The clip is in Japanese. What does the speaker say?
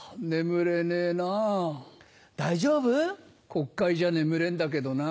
国会じゃ眠れんだけどな。